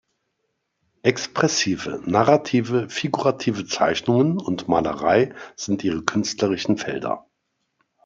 Expressive, narrative, figurative Zeichnungen und Malerei sind ihre künstlerischen Felder.